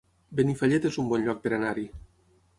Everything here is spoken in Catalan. Benifallet es un bon lloc per anar-hi